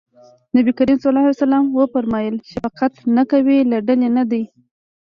نبي کريم ص وفرمایل شفقت نه کوي له ډلې نه دی.